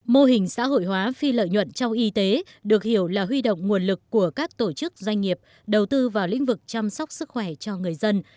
mô hình xã hội hóa phi lợi nhuận trong y tế được hiểu là huy động nguồn lực của các tổ chức doanh nghiệp đầu tư vào lĩnh vực chăm sóc sức khỏe cho người dân